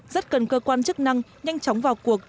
rất cần cơ quan chức năng nhanh chóng vào cuộc